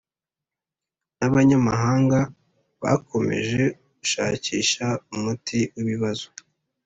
n’abanyamahanga bakomeje gushakisha umuti w’ibibazo